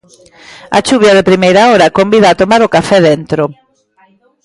A chuvia de primeira hora convida a tomar o café dentro.